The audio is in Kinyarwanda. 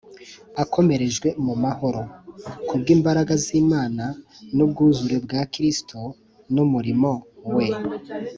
"akomerejwe mu mahoro" ku bw'imbaraga z'Imana n'ubwuzure bwa Kristo n’umurimo we.